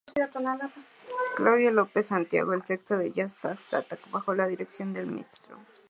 Claudia López Sanguino; el Sexteto de Jazz "Sax Attack", bajo la dirección del mtro.